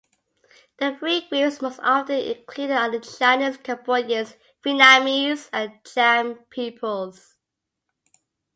The three groups most often included are the Chinese Cambodians, Vietnamese and Cham peoples.